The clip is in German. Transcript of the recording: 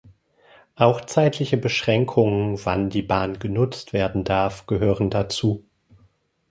Auch zeitliche Beschränkungen, wann die Bahn genutzt werden darf, gehören dazu.